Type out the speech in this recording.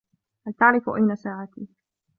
هل تعرف أين ساعتي؟